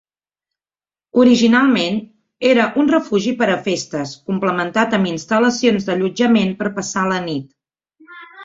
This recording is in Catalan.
Originalment era un refugi per a festes, complementat amb instal·lacions d'allotjament per passar la nit.